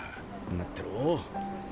待ってろ。